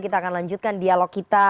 kita akan lanjutkan dialog kita